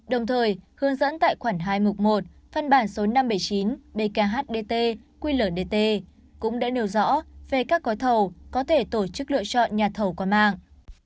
đồng thời hướng dẫn tại khoản hai mục một phân bản số năm trăm bảy mươi chín bkhdt qldt cũng đã nêu rõ về các gói thầu có thể tổ chức lựa chọn nhà thầu qua mạng